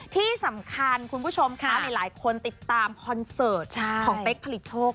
ที่สำคัญคุณผู้ชมคะหลายคนติดตามคอนเสิร์ตของเป๊กผลิตโชค